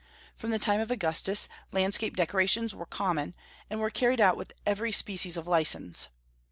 From the time of Augustus landscape decorations were common, and were carried out with every species of license.